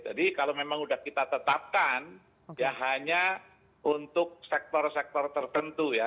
jadi kalau memang sudah kita tetapkan ya hanya untuk sektor sektor tertentu ya